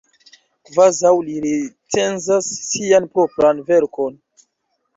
Kvazaŭ li recenzas sian propran verkon!